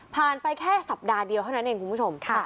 ไปแค่สัปดาห์เดียวเท่านั้นเองคุณผู้ชม